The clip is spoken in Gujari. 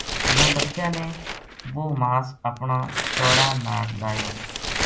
نو لکھیا نے وہ ماس اپنا چوڑا ناڑ لایو